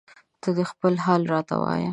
ته دې خپل حال راته وایه